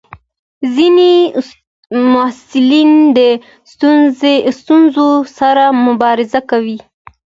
ځینې محصلین د ستونزو سره مبارزه کوي.